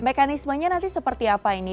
mekanismenya nanti seperti apa ini